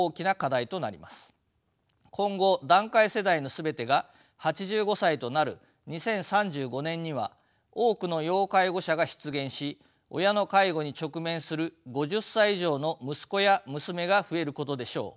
今後団塊世代の全てが８５歳となる２０３５年には多くの要介護者が出現し親の介護に直面する５０歳以上の息子や娘が増えることでしょう。